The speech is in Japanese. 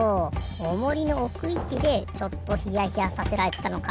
オモリのおくいちでちょっとヒヤヒヤさせられてたのか。